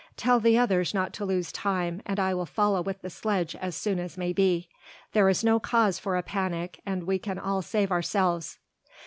Tell the others not to lose time and I will follow with the sledge as soon as may be. There is no cause for a panic and we can all save ourselves."